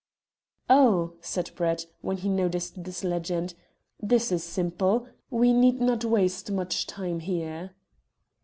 "Oh," said Brett, when he noticed this legend, "this is simple. We need not waste much time here."